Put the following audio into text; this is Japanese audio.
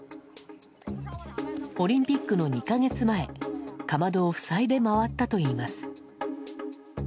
オリンピックの２か月前かまどを塞いで回ったといいます。